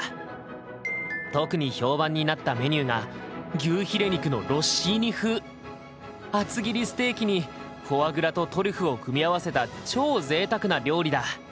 特に評判になったメニューが厚切りステーキにフォアグラとトリュフを組み合わせた超ぜいたくな料理だ。